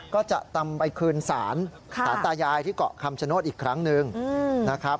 ก็จะนำไปคืนศาลศาลตายายที่เกาะคำชโนธอีกครั้งหนึ่งนะครับ